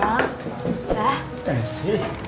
gak lama dah